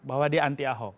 bahwa dia anti ahok